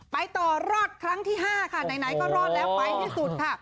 ไปต่อรอดครั้งที่๕ค่ะไหนก็รอดแล้วไปที่สุดค่ะ